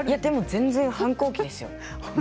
全然、反抗期ですよ。